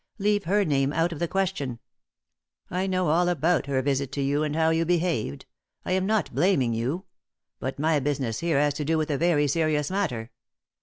"Leave her name out of the question. I know all about her visit to you and how you behaved. I am not blaming you. But my business here has to do with a very serious matter.